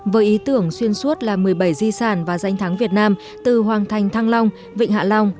với ý tưởng xuyên suốt là một mươi bảy di sản và danh thắng việt nam từ hoàng thành thăng long vịnh hạ long